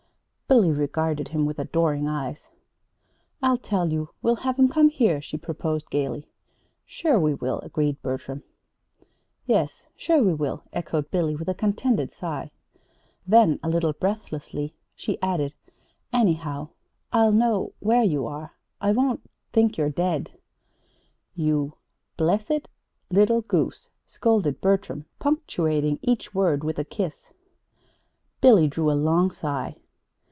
Billy regarded him with adoring eyes. "I'll tell you; we'll have 'em come here," she proposed gayly. "Sure we will," agreed Bertram. "Yes; sure we will," echoed Billy, with a contented sigh. Then, a little breathlessly, she added: "Anyhow, I'll know where you are. I won't think you're dead!" "You blessed little goose!" scolded Bertram, punctuating each word with a kiss. Billy drew a long sigh.